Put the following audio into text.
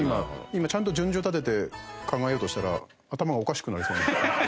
今ちゃんと順序立てて考えようとしたら頭がおかしくなりそうな。